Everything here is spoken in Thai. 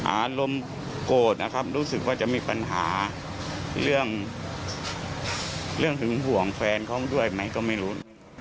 อารมณ์โกรธนะครับรู้สึกว่าจะมีปัญหาเรื่องหึงห่วงแฟนเขาด้วยไหมก็ไม่รู้